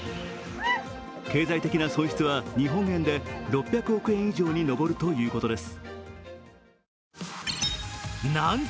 経済的な損失は日本円で６００億円以上に上るということです